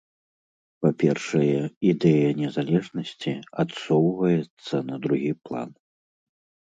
Па-першае, ідэя незалежнасці адсоўваецца на другі план.